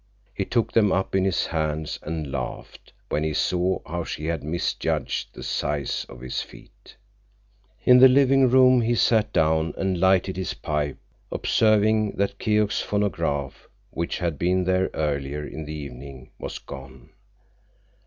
He took them up in his hands and laughed when he saw how she had misjudged the size of his feet. In the living room he sat down and lighted his pipe, observing that Keok's phonograph, which had been there earlier in the evening, was gone.